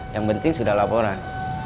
yang penting sudah laporan